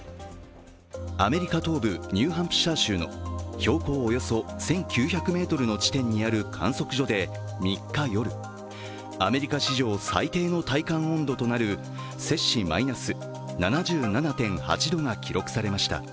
アメリカ東部ニューハンプシャー州の標高およそ１９００ｍの地点にある観測所で３日夜、アメリカ史上最低の体感温度となる摂氏マイナス７７．８度が記録されました。